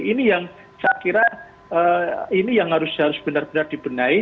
ini yang saya kira ini yang harus benar benar dibenahi